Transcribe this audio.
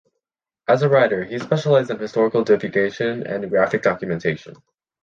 As a writer, he specialized in historical divulgation and graphic documentation.